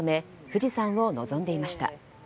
富士山を望んでいました。